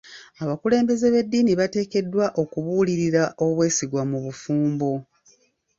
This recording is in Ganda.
Abakulembeze b'eddiini bateekeddwa okubulirira obwesigwa mu bufumbo.